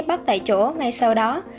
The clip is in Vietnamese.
bắt tại chỗ ngay sau đó